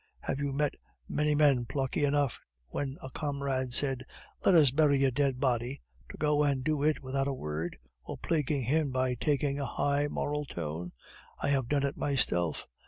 Have you met many men plucky enough when a comrade says, 'Let us bury a dead body!' to go and do it without a word or plaguing him by taking a high moral tone? I have done it myself.